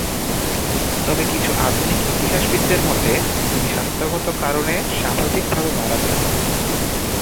তবে কিছু আধুনিক ইতিহাসবিদদের মতে তিনি স্বাস্থ্যগত কারণে স্বাভাবিকভাবে মারা যান।